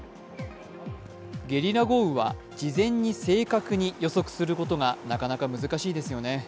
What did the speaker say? ゲリラ豪雨は事前に正確に予測することがなかなか難しいですよね。